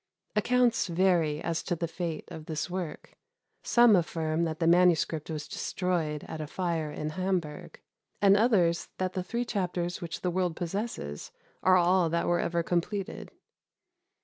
Accounts vary as to the fate of this work; some affirm that the manuscript was destroyed in a fire at Hamburg, and others that the three chapters which the world possesses are all that were ever completed.